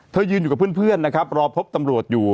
ยืนอยู่กับเพื่อนนะครับรอพบตำรวจอยู่